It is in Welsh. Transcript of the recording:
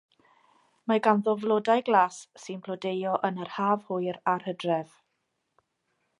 Mae ganddo flodau glas sy'n blodeuo yn yr haf hwyr a'r hydref.